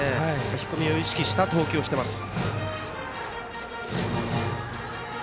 低めを意識した投球をしています。